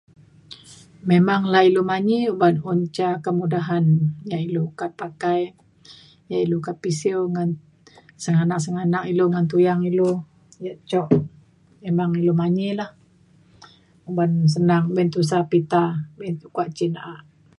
Memang lah ilu manyi uban un ca kemudahan yak ilu ukat pakai yak ilu kak pisiu ngan sengganak sengganak ilu ngan tuyang ilu yak jok memang ilu manyi lah uban senang be’un tusa pita be kuak cin na’a